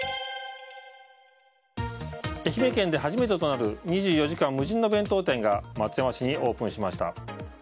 愛媛県で初めてとなる２４時間無人の弁当店が松山市にオープンしました。